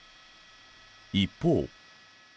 一方。